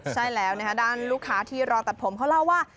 ใช่แล้วนะคะด้านลูกค้าที่รอตัดผมเขาเล่าว่า